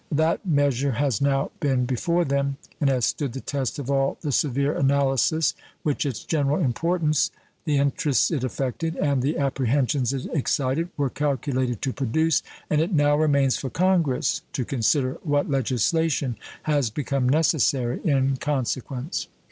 That measure has now been before them and has stood the test of all the severe analysis which its general importance, the interests it affected, and the apprehensions it excited were calculated to produce, and it now remains for Congress to consider what legislation has become necessary in consequence.